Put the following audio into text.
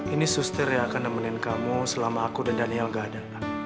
ini suster yang akan nemenin kamu selama aku dan daniel gak ada